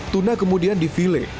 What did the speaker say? tuna kemudian di file